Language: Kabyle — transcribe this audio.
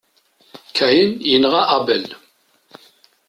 Kain yenɣa Abel.